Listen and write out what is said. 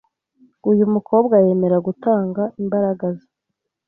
Uyu mukobwa yemera gutanga imbaraga ze